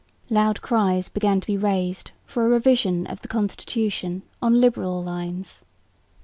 Loud cries began to be raised for a revision of the constitution on liberal lines.